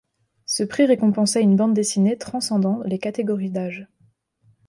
Ce prix récompensait une bande dessinée transcendant les catégories d'âge.